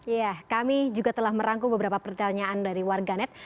ya kami juga telah merangkum beberapa pertanyaan dari warganet